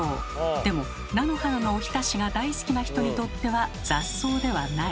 でも菜の花のおひたしが大好きな人にとっては雑草ではない。